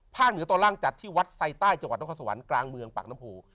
ภาคเหนือตรงล่างจัดที่วัดที่ไซข์ใต้จน้องคสวรรค์กลางเมืองปากน้ำหมู่